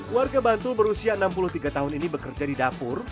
warga bantul berusia enam puluh tiga tahun ini bekerja di dapur